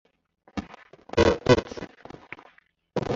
有一子。